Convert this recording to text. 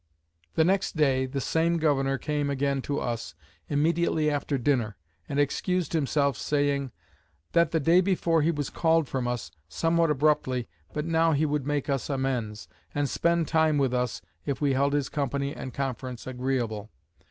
The next day, the same governor came again to us, immediately after dinner, and excused himself, saying; "That the day before he was called from us, somewhat abruptly, but now he would make us amends, and spend time with us if we held his company and conference agreeable."